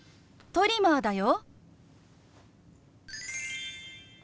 トリマーだよ。